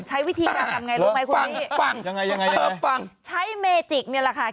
ใช้วิธีการทำยังไงรู้ไหมคุณพี่ฟังใช้เมจิกเนี่ยแหละค่ะ